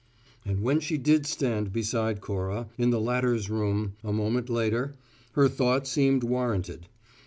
And when she did stand beside Cora, in the latter's room, a moment later, her thought seemed warranted.